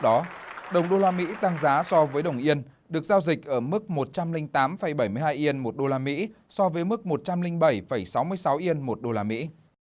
đồng đô la mỹ tăng giá so với đồng yên được giao dịch ở mức một trăm linh tám bảy mươi hai yên một đô la mỹ so với mức một trăm linh bảy sáu mươi sáu yên một đô la mỹ